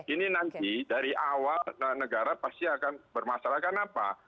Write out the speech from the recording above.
ini nanti dari awal negara pasti akan bermasalahkan apa